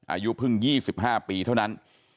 อายุเพิ่ง๒๕ปีเท่านั้น